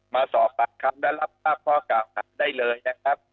มาสอบการรับภาพข้อมูลได้เลยนะครับ